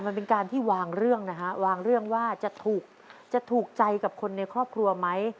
มันเป็นการที่วางเรื่องนะฮะวางเรื่องว่าจะถูกจะถูกใจกับคนในครอบครัวไหม